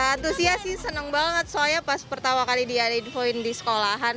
atusiasi senang banget soalnya pas pertama kali dia diinfoin di sekolahan